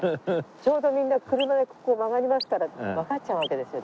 ちょうどみんな車でここ曲がりますからわかっちゃうわけですよ